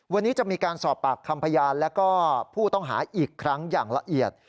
วันนี้จะมีการสอบปากคำพยานและก็ผู้ต้องหาอีกครั้งอย่างละเอียด